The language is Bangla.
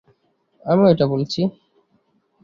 আমিও এটা বলছি।